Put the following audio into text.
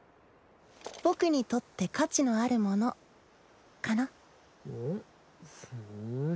僕にとって価値のあるものかなうん？